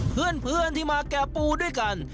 เพื่อนที่มาแก่ปูด้วยกัน